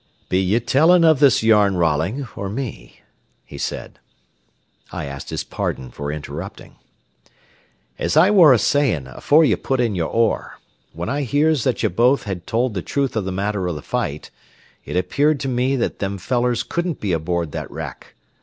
"Be ye tellin' o' this yarn, Rolling, or me?" he said. I asked his pardon for interrupting. "As I ware a sayin' afore ye put in your oar, when I hears that ye both had told the truth o' the matter o' the fight, it appeared to me that them fellers couldn't be aboard that wrack.